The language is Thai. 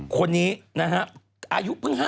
คนนี้นะครับอายุเพิ่ง๕๔